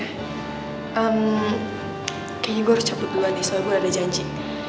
ehm kayaknya gue harus cabut dulu nih soalnya gue udah ada janji